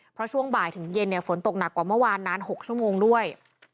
เพราะช่วงบ่ายถึงเย็นเนี่ยฝนตกหนักกว่าเมื่อวานนาน๖ชั่วโมงด้วย